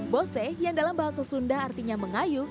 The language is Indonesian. bose yang dalam bahasa sunda artinya mengayu